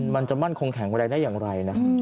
มันจะมั่นคงแข็งแรงได้อย่างไรนะ